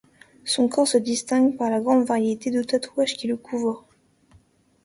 Son corps se distingue par la grande variété de tatouages qui le couvrent.